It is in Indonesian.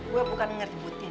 gue bukan ngeributin